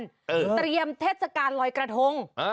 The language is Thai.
เตรียมเทศกาลลอยกระทง